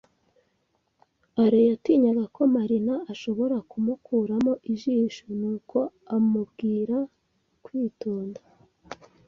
Alain yatinyaga ko Marina ashobora kumukuramo ijisho, nuko amubwira kwitonda.